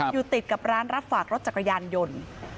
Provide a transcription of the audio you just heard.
อยู่ติดกับร้านรับฝากรถจักรยานยนต์